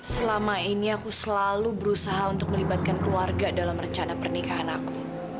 selama ini aku selalu berusaha untuk melibatkan keluarga dalam rencana pernikahan aku